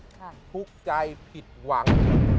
ทุกข์ใจผิดหวัง